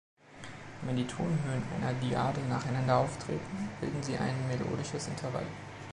Wenn die Tonhöhen einer Dyade nacheinander auftreten, bilden sie ein melodisches Intervall.